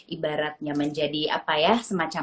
ibaratnya menjadi apa ya semacam